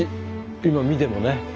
今見てもね。